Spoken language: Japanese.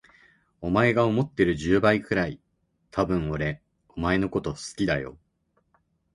お前が思っている十倍くらい、多分俺お前のこと好きだよ。